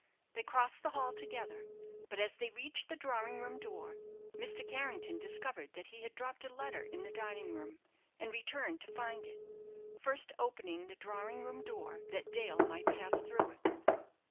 They crossed the hall together, but as they reached the drawing room door, Mr. Carrington discovered that he had dropped a letter in the dining room, and returned to find it, first opening the drawing room door that Dale might pass through it.